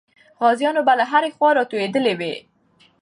غازیان به له هرې خوا راټولېدلې وو.